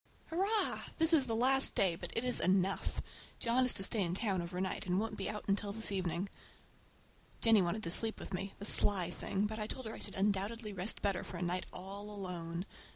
Hurrah! This is the last day, but it is enough. John is to stay in town over night, and won't be out until this evening. Jennie wanted to sleep with me—the sly thing! but I told her I should undoubtedly rest better for a night all alone.